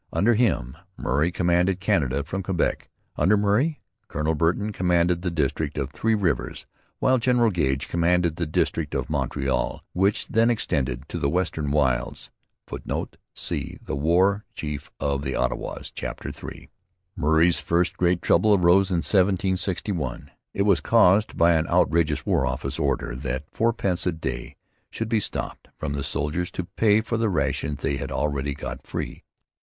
Under him Murray commanded Canada from Quebec. Under Murray, Colonel Burton commanded the district of Three Rivers while General Gage commanded the district of Montreal, which then extended to the western wilds. [Footnote: See The War Chief of the Ottawas, chap. iii.] Murray's first great trouble arose in 1761. It was caused by an outrageous War Office order that fourpence a day should be stopped from the soldiers to pay for the rations they had always got free.